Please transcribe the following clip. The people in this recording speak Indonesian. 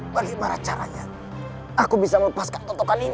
bagaimana caranya aku bisa melepaskan tontokan ini